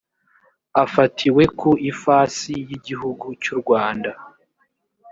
afatiwe ku ifasi y igihugu cy u rwanda